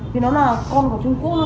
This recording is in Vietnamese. vì nó là con của trung quốc